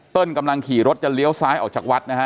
กำลังขี่รถจะเลี้ยวซ้ายออกจากวัดนะฮะ